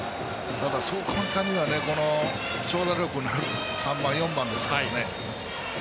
そう簡単には長打力のある３番、４番ですからね。